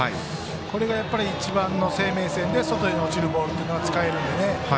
これが一番の生命線で外へ落ちるボールが使えるので。